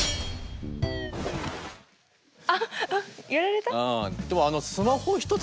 あっやられた？